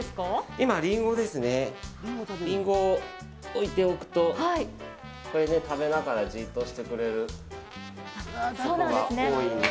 今りんごですね、りんごを置いておくと食べながらじっとしてくれることが多いんですけど。